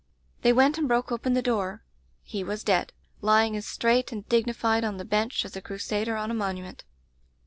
"They went and broke open the door. He was dead — lying as straight and dignified on the bench as a crusader on a monument.